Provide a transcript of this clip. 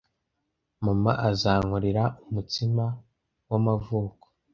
Mama azankorera umutsima w'amavuko.